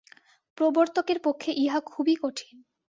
প্রবর্তকের পক্ষে ইহা খুবই কঠিন।